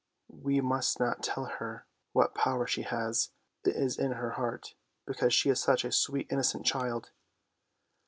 We must not tell her what power she has; it is in her heart, because she is such a sweet innocent child.